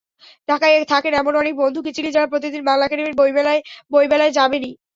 ঢাকায় থাকেন এমন অনেক বন্ধুকে চিনি, যাঁরা প্রতিদিন বাংলা একাডেমির বইবেলায় যাবেনই।